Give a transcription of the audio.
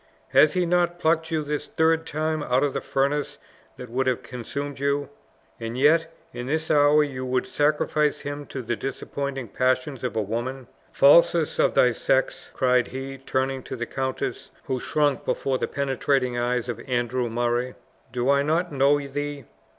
Has he not plucked you this third time out of the furnace that would have consumed you? And yet in this hour, you would sacrifice him to the disappointed passions of a woman! Falsest of thy sex!" cried he, turning to the countess, who shrunk before the penetrating eyes of Andrew Murray; "do I not know thee?